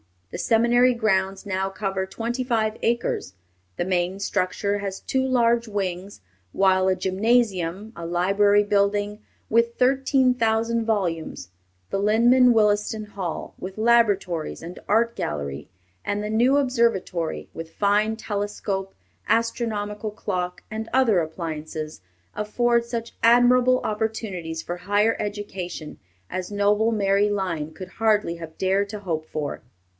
The seminary grounds now cover twenty five acres. The main structure has two large wings, while a gymnasium; a library building, with thirteen thousand volumes; the Lyman Williston Hall, with laboratories and art gallery; and the new observatory, with fine telescope, astronomical clock, and other appliances, afford such admirable opportunities for higher education as noble Mary Lyon could hardly have dared to hope for.